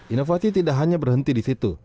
inovasi tidak hanya berhenti di situ